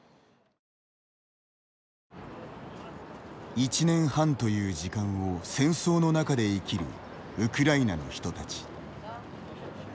１年半という時間を戦争の中で生きるウクライナの人たち。